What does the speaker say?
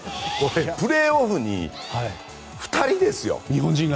プレーオフに２人ですよ。